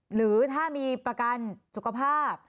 หรือถ้ามีประกันสุขภาพ